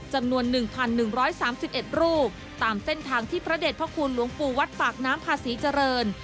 จำนวน๑๑๓๑รูปตามเส้นทางที่พระเด็จพระคุณหลวงปู่วัดปากน้ำพาศรีเจริญ